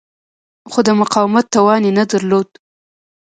خو د مقاومت توان یې نه درلود.